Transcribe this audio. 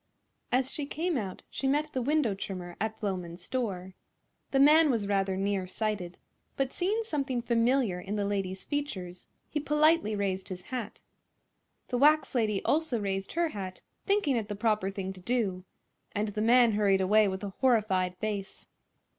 As she came out she met the window trimmer at Floman's store. The man was rather near sighted, but seeing something familiar in the lady's features he politely raised his hat. The wax lady also raised her hat, thinking it the proper thing to do, and the man hurried away with a horrified face.